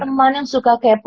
oke temen yang suka kepo